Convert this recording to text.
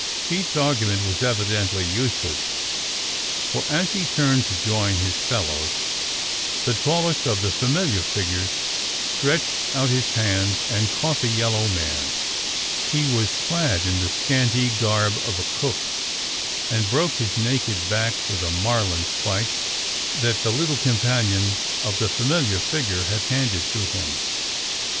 Pete's argument was evidently useless, for as he turned to join his fel lows, the tallest of the familiar figures stretched out his hand and caught the yellow man — he was clad in the scanty garb of a cook — and broke his naked back with a marlin spike that the little companion of the familiar figure had handed to him.